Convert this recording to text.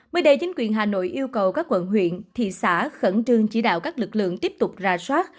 mới đây chính quyền hà nội yêu cầu các quận huyện thị xã khẩn trương chỉ đạo các lực lượng tiếp tục ra soát